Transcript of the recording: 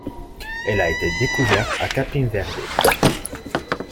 Elle a été découverte à Capim Verde.